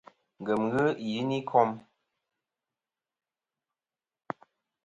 Ngèm ghɨ i yiyn i kom.